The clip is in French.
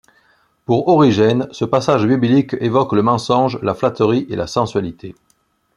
Pour Origène, ce passage biblique évoque le mensonge, la flatterie et la sensualité.